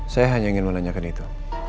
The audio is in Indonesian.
saya hanya ingin menanyakan itu